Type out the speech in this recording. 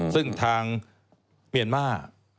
ซึ่งทางเมียนมาร์